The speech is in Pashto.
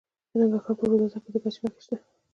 د ننګرهار په روداتو کې د ګچ نښې شته.